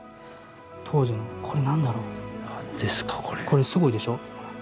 これすごいでしょ？